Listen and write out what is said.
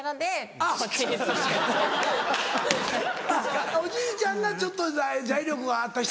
あっおじいちゃんがちょっと財力があった人なんだ。